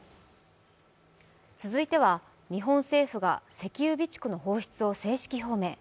続いては、日本政府が石油備蓄の放出を正式表明。